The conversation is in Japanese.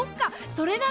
それなら。